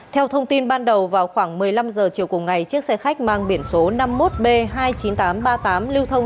theo thông tin ban đầu vào khoảng một mươi năm h chiều cùng ngày chiếc xe khách mang biển số năm mươi một b hai mươi chín nghìn tám trăm ba mươi tám lưu thông